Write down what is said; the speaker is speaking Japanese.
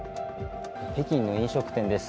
北京の飲食店です。